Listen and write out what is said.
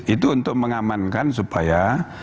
itu untuk mengamankan supaya